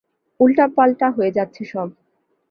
উল্টাপাল্টা হয়ে যাচ্ছে সব।